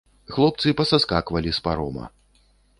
Хлопцы пасаскаквалі з парома.